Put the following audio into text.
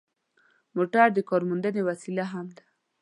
موټر د کارموندنې وسیله هم ده.